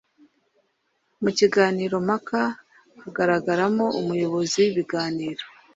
Mu kiganiro mpaka hagaragaramo umuyobozi w’ibiganiro,